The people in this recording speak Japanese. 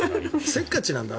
せっかちなんだ。